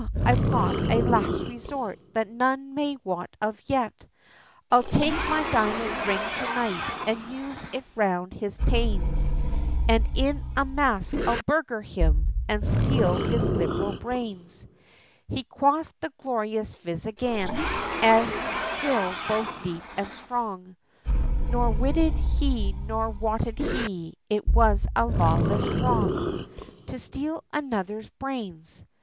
I've got a last resource, that none may wot of yet, I'll take my diamond ring to night, and use it round his panes, And in a mask I'll burgle him, and steal his liberal brains!" He quaffed the glorious fizz again, a swill both deep and strong Nor witted he, nor wotted he, it was a lawless wrong To steal another's brains.